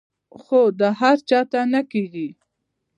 خو دا هر چاته نۀ کيږي -